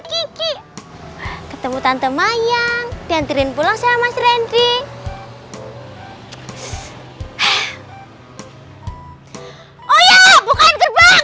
kiki ketemu tante mayang diantirin pulang sama sering hai eh oh ya bukaan gerbang